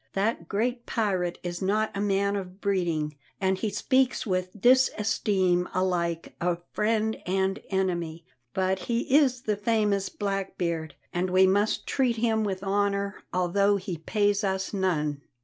"That great pirate is not a man of breeding, and he speaks with disesteem alike of friend and enemy, but he is the famous Blackbeard, and we must treat him with honour although he pays us none."